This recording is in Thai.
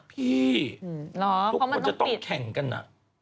พี่ทุกคนจะต้องแข่งกันอะ